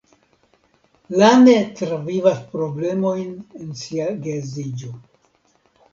Lane travivas problemojn en sia geedziĝo.